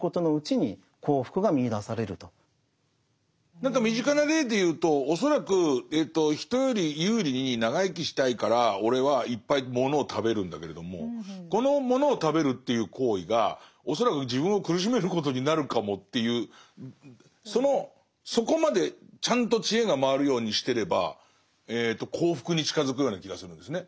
何か身近な例で言うと恐らく人より有利に長生きしたいから俺はいっぱいものを食べるんだけれどもこのものを食べるという行為が恐らく自分を苦しめることになるかもというそこまでちゃんと知恵が回るようにしてれば幸福に近づくような気がするんですね。